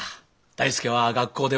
大介は学校では。